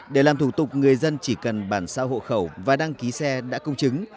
để làm thủ tục người dân chỉ cần bản sao hộ khẩu và đăng ký xe đã công chứng